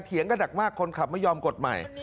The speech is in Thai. เถียงกระดักมากคนขับไม่ยอมกดใหม่